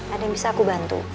ada yang bisa aku bantu